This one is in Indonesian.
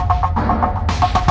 jangan lagi listirin tuh